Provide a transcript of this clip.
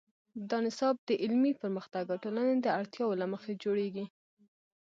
دا نصاب د علمي پرمختګ او ټولنې د اړتیاوو له مخې جوړیږي.